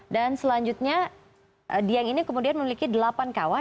dan selanjutnya dieng ini kemudian memiliki delapan kawas